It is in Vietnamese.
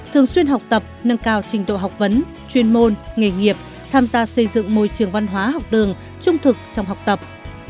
thường xuyên học tập nâng cao trình độ học vấn chuyên môn nghề nghiệp tham gia xây dựng môi trường văn hóa học đường trung thực trong học tập